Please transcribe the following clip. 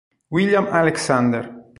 William Alexander